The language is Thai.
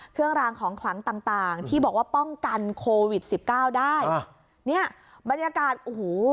เครื่องรางของขลังต่างต่างที่บอกว่าป้องกันโควิดสิบเก้าได้เนี่ยบรรยากาศโอ้โห